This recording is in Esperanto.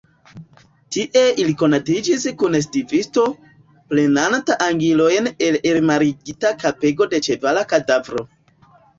Tie ili konatiĝis kun stivisto, prenanta angilojn el elmarigita kapego de ĉevala kadavro.